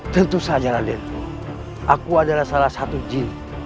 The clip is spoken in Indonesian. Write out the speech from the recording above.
tentu saja radit aku adalah salah satu jin